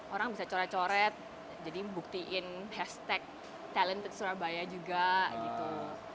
orang bisa coret coret jadi buktiin hashtag talent surabaya juga gitu